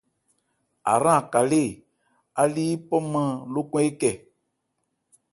Ahrân a ka-lé á li yípɔ-nman lókɔn ékɛ.